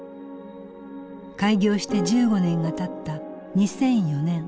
開業して１５年がたった２００４年。